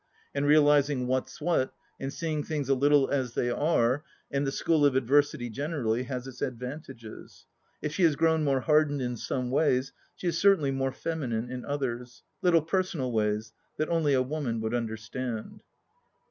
And realizing what's what, and seeing things a little as they are and the school of adversity generally, has its advantages. If she has grown more hard ened in some ways, she is certainly more feminine in others — little personal ways that only a woman would understand